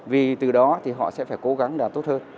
vì từ đó thì họ sẽ phải cố gắng làm tốt hơn